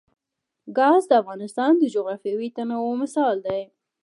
ګاز د افغانستان د جغرافیوي تنوع مثال دی.